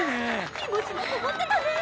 気持ちがこもってたねえ。